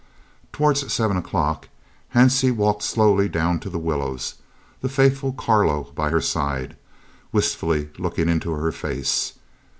Towards 7 o'clock Hansie walked slowly down to the willows, the faithful Carlo by her side, wistfully looking into her face.